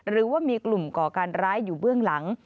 หรือว่ามีกลุ่มก่อการร้ายอยู่เบื้องหลัง